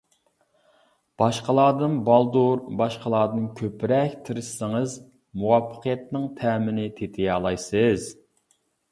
باشقىلاردىن بالدۇر، باشقىلاردىن كۆپرەك تىرىشسىڭىز، مۇۋەپپەقىيەتنىڭ تەمىنى تېتىيالايسىز.